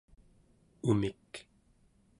umik